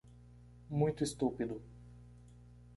Muito estúpido